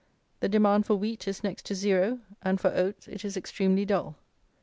The demand for wheat is next to Zero, and for oats it is extremely dull.